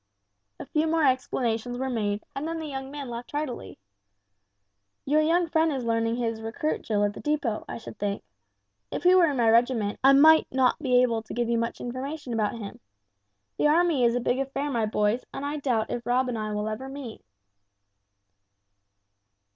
A few more explanations were made, and then the young man laughed heartily. "Your young friend is learning his recruit drill at the depot, I should think. If he were in my regiment I might not be able to give you much information about him. The army is a big affair, my boys, and I doubt if Rob and I will ever meet."